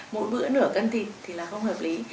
mỗi bữa nửa cân thịt thì là không hợp lý